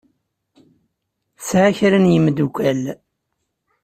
Tesɛa kra n yemdukal.